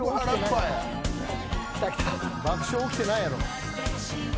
爆笑きてないやろ。